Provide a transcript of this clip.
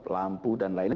lampu dan lainnya